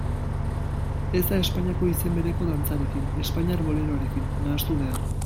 Ez da Espainiako izen bereko dantzarekin, espainiar boleroarekin, nahastu behar.